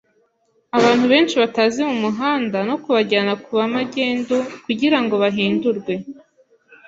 abantu benshi batazi mumuhanda, no kubajyana kuba magendu, kugirango bahindurwe